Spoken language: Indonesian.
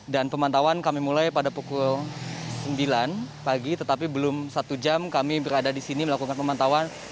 dan pemantauan kami mulai pada pukul sembilan pagi tetapi belum satu jam kami berada di sini melakukan pemantauan